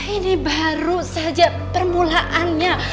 ini baru saja permulaannya